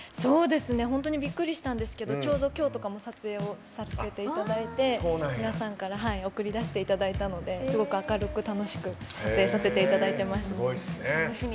本当にびっくりしたんですけどちょうど、今日とかも撮影をさせていただいて皆さんから送り出していただいたのですごく明るく楽しく撮影させていただいてます。